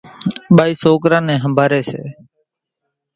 ٻائِي سوڪران نين ۿنڀاريَ سي۔